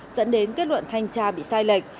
dẫn đến kết luận thanh tra bị sai lệch